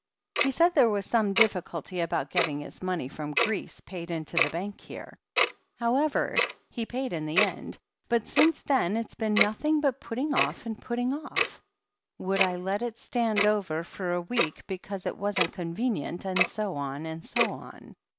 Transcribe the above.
He said there was some difficulty about getting his money from Greece paid into the Bank here. How ever, he paid in the end, but since then it's been noth ing but putting off and putting off — ^would I let it stand over for a week because it wasn't convenient, and so on and so on.